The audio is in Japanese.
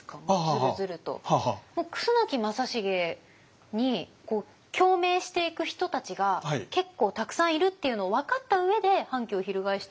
楠木正成に共鳴していく人たちが結構たくさんいるっていうのを分かった上で反旗を翻してるのか。